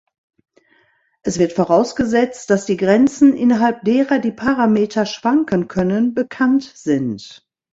Es wird vorausgesetzt, dass die Grenzen, innerhalb derer die Parameter schwanken können, bekannt sind.